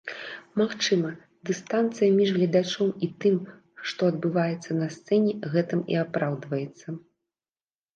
Магчыма, дыстанцыя між гледачом і тым, што адбываецца на сцэне, гэтым і апраўдваецца.